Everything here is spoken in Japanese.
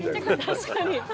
確かに。